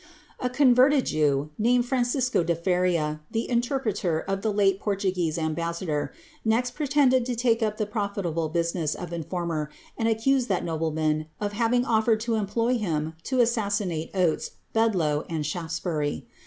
A converted Jew, named Francisco de Feria, the interpreter of the late Portuguese ambassador, next pretended to take up the profitable business of informer, and accused that nobleman of having offered to employ liim to assassinate Oates, Bedloe, and Shaftesbury.